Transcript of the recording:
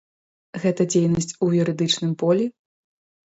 Гэта дзейнасць у юрыдычным полі?